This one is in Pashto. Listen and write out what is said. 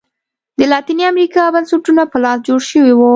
د لاتینې امریکا بنسټونه په لاس جوړ شوي وو.